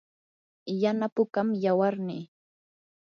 yana pukam yawarnii.